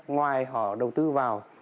ngoài họ đầu tư vào